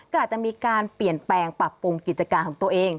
ก็อาจจะมีการเปลี่ยนแปลงปรับปรุงกิจการของตัวเอง